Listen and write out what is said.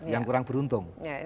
yang kurang beruntung